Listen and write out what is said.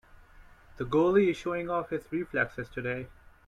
The goalie is showing off his reflexes today.